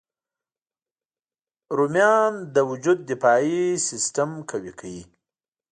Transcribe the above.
رومیان د وجود دفاعي سیسټم قوي کوي